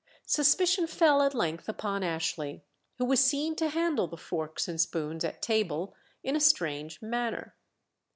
Suspicion fell at length upon Ashley, who was seen to handle the forks and spoons at table in a strange manner.